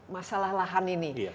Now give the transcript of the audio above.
masalah lahan ini